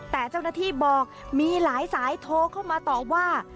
แต่เจ้าหน้าที่บอกมีหลายสายโทรเข้ามาตอบว่า